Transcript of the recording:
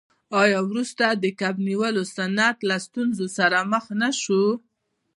آیا وروسته د کب نیولو صنعت له ستونزو سره مخ نشو؟